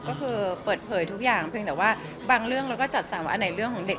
ก็คือเปิดเผยทุกอย่างเพียงแต่ว่าบางเรื่องเราก็จัดสรรว่าอันไหนเรื่องของเด็ก